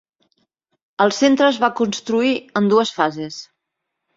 El centre es va construir en dues fases.